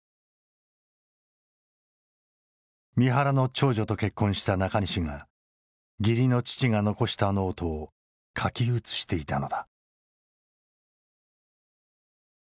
三原の長女と結婚した中西が義理の父が残したノートを書き写していたのだ。